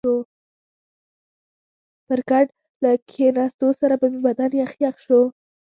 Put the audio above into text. پر کټ له کښېنستو سره به مې بدن یخ یخ شو.